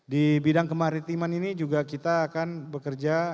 di bidang kemaritiman ini juga kita akan bekerja